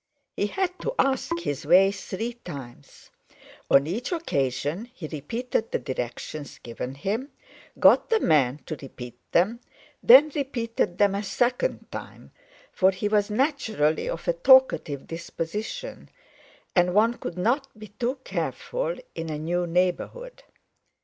He had to ask his way three times; on each occasion he repeated the directions given him, got the man to repeat them, then repeated them a second time, for he was naturally of a talkative disposition, and one could not be too careful in a new neighbourhood.